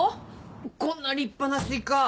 ・こんな立派なスイカ。